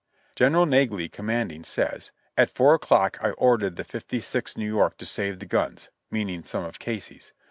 General Naglee, commanding, says: "At 4 o'clock I ordered the Fifty sixth New York to save the guns [meaning some of Casey's].